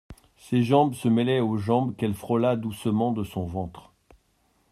Ses jambes se mêlaient aux jambes qu'elle frôla doucement de son ventre.